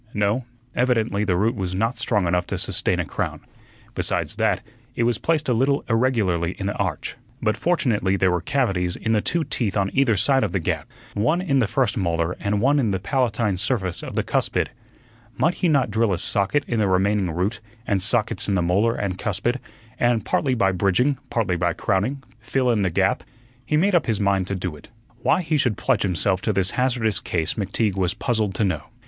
No, evidently the root was not strong enough to sustain a crown; besides that, it was placed a little irregularly in the arch. But, fortunately, there were cavities in the two teeth on either side of the gap one in the first molar and one in the palatine surface of the cuspid; might he not drill a socket in the remaining root and sockets in the molar and cuspid, and, partly by bridging, partly by crowning, fill in the gap? He made up his mind to do it. Why he should pledge himself to this hazardous case McTeague was puzzled to know.